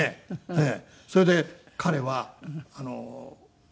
ええ。